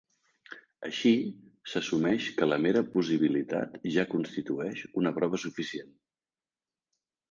Així, s'assumeix que la mera possibilitat ja constitueix una prova suficient.